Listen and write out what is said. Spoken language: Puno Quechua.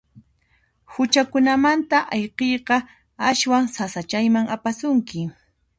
Huchakunamanta ayqiyqa aswan sasachayman apasunki.